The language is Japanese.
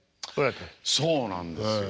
そうなんですよ。